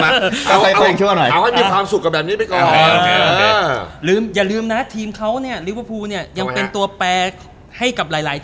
ดูจากฟ้องแล้วมันคง๗๐นี่ครั้งเดียวแหละ